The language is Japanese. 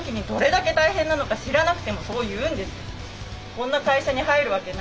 こんな会社に入るわけない。